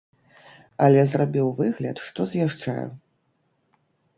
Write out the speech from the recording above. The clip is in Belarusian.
Але зрабіў выгляд, што з'язджаю.